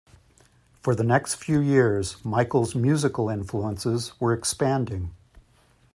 For the next few years, Michael's musical influences were expanding.